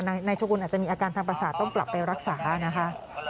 นายชกุลอาจจะมีอาการทางประสาทต้องกลับไปรักษานะคะ